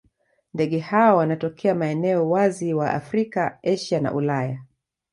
Ndege hawa wanatokea maeneo wazi wa Afrika, Asia na Ulaya.